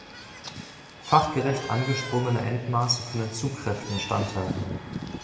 Fachgerecht angesprungene Endmaße können Zugkräften standhalten.